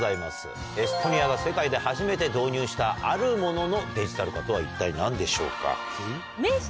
エストニアが世界で初めて導入したあるもののデジタル化とは一体何でしょうか？